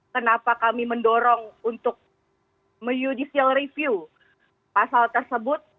kenapa kami mendorong untuk review pasal tersebut